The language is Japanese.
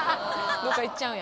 どっか行っちゃうんや。